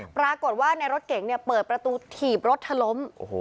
ปรากฏว่าในรถเก๋งเปิดประตูถีบรถเธอล้ม